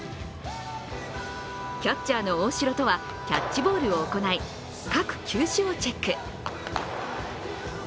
キャッチャーの大城とはキャッチボールを行い各球種をチェック。